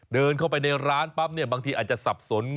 เดินเข้าไปในร้านปั๊บเนี่ยบางทีอาจจะสับสน